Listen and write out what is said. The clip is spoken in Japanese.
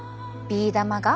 ビー玉が。